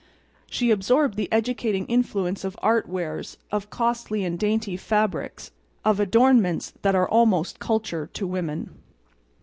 She absorbed the educating influence of art wares, of costly and dainty fabrics, of adornments that are almost culture to women.